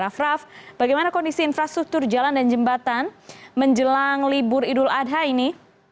raff raff bagaimana kondisi infrastruktur jalan dan jembatan menjelang libur idul adha ini